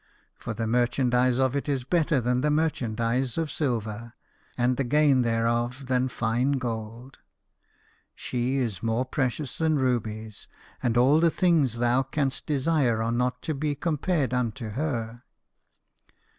For the merchandise of it is better than the merchandise of silver, and the gain thereof than fine gold. She is m'ore precious than rubies ; and all the things thou canst desire are not to be compared unto her."